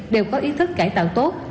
đều có ý thức cải tạo tốt